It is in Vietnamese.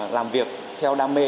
làm việc theo đam mê